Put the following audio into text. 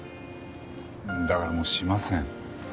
だからもうしません。